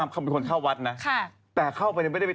ไม่ยุ่งเรื่องชาวบ้าน